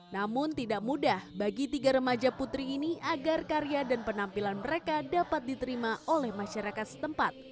namun tidak mudah bagi tiga remaja putri ini agar karya dan penampilan mereka dapat diterima oleh masyarakat setempat